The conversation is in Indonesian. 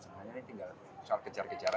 sebenarnya ini tinggal kejar kejaran